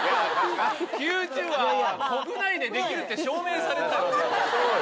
「ＱＴｕｂｅ」は国内でできるって証明されたよね。